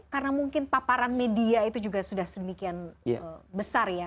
karena mungkin paparan media itu juga sudah sedemikian besar ya